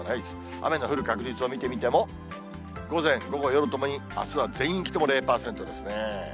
雨の降る確率を見てみても、午前、午後、夜ともにあすは全域とも０％ですね。